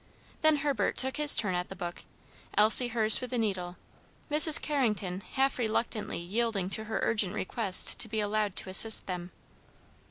Then Herbert took his turn at the book, Elsie hers with the needle, Mrs. Carrington half reluctantly yielding to her urgent request to be allowed to assist them.